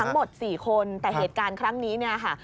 ทั้งหมด๔คนแต่เหตุการณ์ครั้งนี้เนี่ยค่ะ